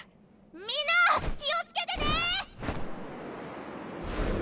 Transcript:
みんな気をつけてね！